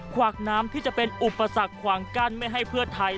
ขวากน้ำที่จะเป็นอุปสรรคขวางกั้นไม่ให้เพื่อไทย